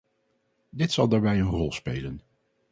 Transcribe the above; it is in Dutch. Dit zal daarbij een rol spelen.